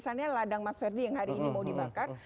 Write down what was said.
kalau memang misalnya ladang mas verdi yang hari ini mau dibakar